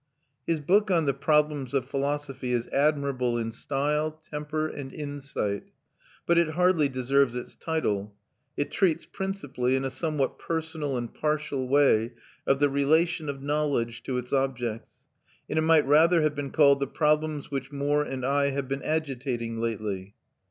His book on The Problems of Philosophy is admirable in style, temper, and insight, but it hardly deserves its title; it treats principally, in a somewhat personal and partial way, of the relation of knowledge to its objects, and it might rather have been called "The problems which Moore and I have been agitating lately."